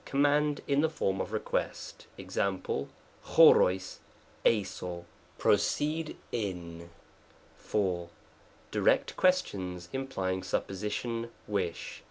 Command, in the form of request, ^a?., ^cj Qocg ii'aco, " proceed m." IV. Direct questions, implying supposition, wish.